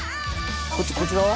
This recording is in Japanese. こちらは？